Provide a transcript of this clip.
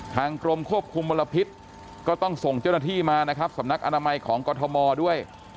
กรมควบคุมมลพิษก็ต้องส่งเจ้าหน้าที่มานะครับสำนักอนามัยของกรทมด้วย